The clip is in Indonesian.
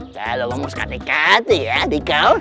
kalau ngomong sekat dekat sih ya dikau